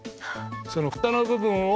そのフタの部分を。